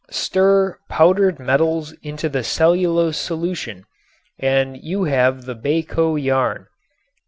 Stir powdered metals into the cellulose solution and you have the Bayko yarn.